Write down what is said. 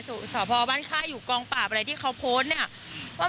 เธอก็ทำในสิ่งที่มันผิดกฎหมายดีกว่า